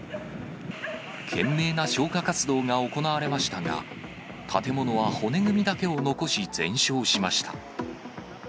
懸命な消火活動が行われましたが、建物は骨組みだけを残し全焼しました。